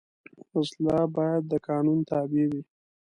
وسله باید د قانون تابع وي